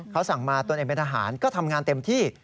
เขาสั่งมาตนเองเป็นทหารก็ทำงานเต็มที่